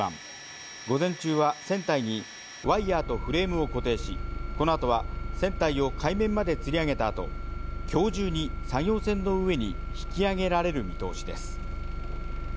午前中は船体にワイヤとフレームを固定し、この後は船体を海面まで吊り上げた後、今日中に作業船の上に引き揚げられる見通しです。